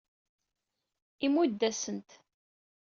Imudd-asen-t.